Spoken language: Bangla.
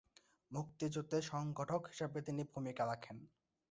মুক্তিযুদ্ধের সংগঠক হিসেবে তিনি ভূমিকা রাখেন।